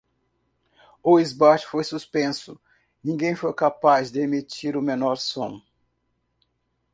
O esbart foi suspenso, ninguém foi capaz de emitir o menor som.